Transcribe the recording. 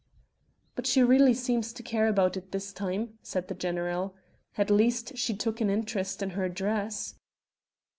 "But she really seems to care about it this time," said the general. "At least she took an interest in her dress."